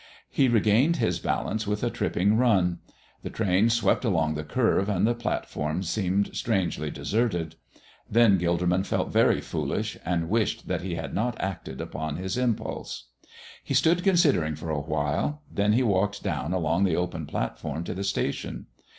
He regained his balance with a tripping run. The train swept along the curve and the platform seemed strangely deserted. Then Gilderman felt very foolish and wished that he had not acted upon his impulse. He stood considering for a while, then he walked down along the open platform to the station.